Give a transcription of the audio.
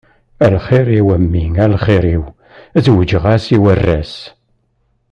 A lxir-iw a mmi a lxir-iw, zewǧeɣ-as i waras.